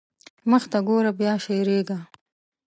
مخته ګوره بيا شېرېږا.